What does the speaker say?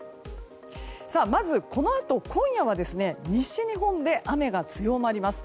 まずこのあと今夜は西日本で雨が強まります。